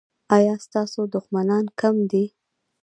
ایا ستاسو دښمنان کم دي؟